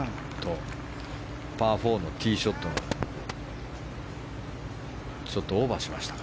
パー４のティーショットがちょっとオーバーしました。